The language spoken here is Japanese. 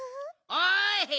おい！